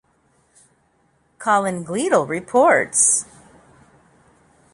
Colin Gleadell reports.